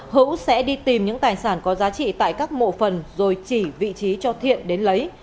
hữu sẽ đi tìm những tài sản có giá trị tại các mộ phần rồi chỉ vị trí cho thiện đến lấy